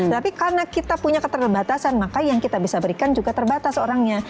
tapi karena kita punya keterbatasan maka yang kita bisa berikan juga terbatas orangnya